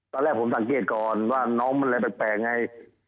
ตอนแรกผมสังเกตก่อนว่าน้องมันอะไรแปลกไง